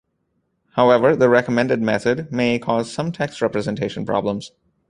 However, the recommended method may cause some text representation problems.